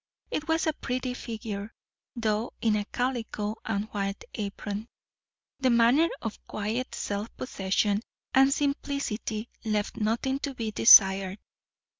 It was a pretty figure, though in a calico and white apron. The manner of quiet self possession and simplicity left nothing to be desired.